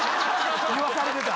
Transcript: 言わされてた！